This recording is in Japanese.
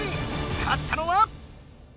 勝ったのは。